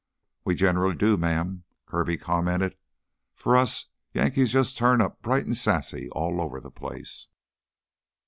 "We generally do, ma'am," Kirby commented. "For us Yankees jus' turn up bright an' sassy all over the place."